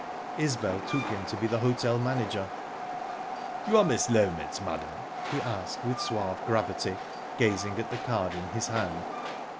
Isbel took him to be the hotel manage. "You are Miss Loment, madam?" he asked with suave gravity, gazing at the card in his hand.